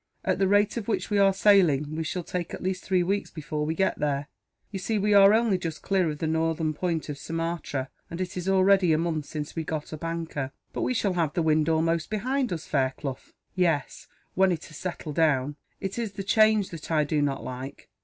At the rate at which we are sailing, we shall take at least three weeks before we get there. You see, we are only just clear of the northern point of Sumatra; and it is already a month since we got up anchor." "But we shall have the wind almost behind us, Fairclough." "Yes, when it has settled down. It is the change that I do not like.